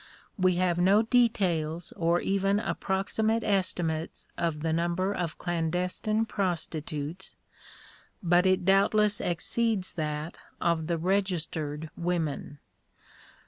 We have no details or even approximate estimates of the number of clandestine prostitutes, but it doubtless exceeds that of the registered women.